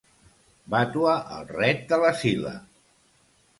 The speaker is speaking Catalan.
Vatua el ret de la Sila!